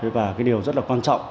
và điều rất quan trọng